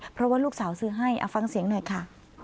เพราะว่าลูกสาวซื้อให้เอาฟังเสียงหน่อยค่ะ